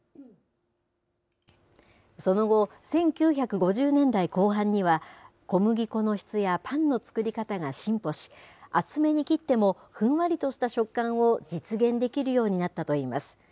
その後、１９５０年代後半には、小麦粉の質やパンの作り方が進歩し、厚めに切ってもふんわりとした食感を実現できるようになったといいます。